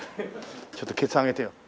ちょっとケツ上げてよう。